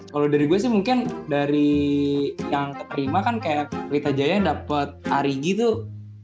kalau dari gue sih mungkin dari yang terima kan kayak lita jaya dapet ari gi tuh